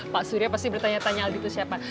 pak surya pasti bertanya tanya aldi itu siapa